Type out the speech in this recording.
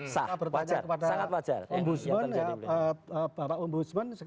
sangat wajar bapak om busman